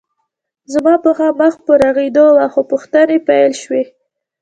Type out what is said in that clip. زما پښه مخ په روغېدو وه خو پوښتنې پیل شوې